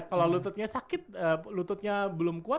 kalau lututnya sakit lututnya belum kuat